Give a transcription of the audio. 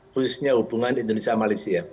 khususnya hubungan indonesia malaysia